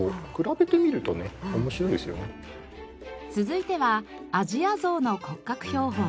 続いてはアジアゾウの骨格標本。